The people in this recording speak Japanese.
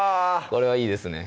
これはいいですね